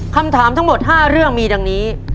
คำถามทั้งหมด๕เรื่องมีดังนี้